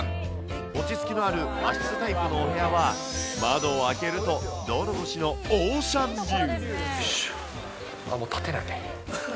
落ち着きのある和室タイプのお部屋は、窓を開けると道路越しのオもう立てない。